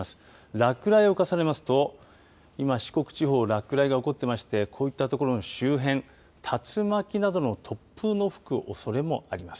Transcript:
落雷を重ねますと今、四国地方落雷が起こっていましてこういった所の周辺、竜巻などの突風の吹くおそれもあります。